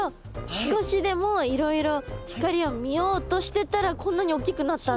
少しでもいろいろ光を見ようとしてったらこんなにおっきくなったんだ！